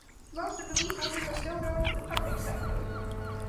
Most of the resources are still going to the public sector.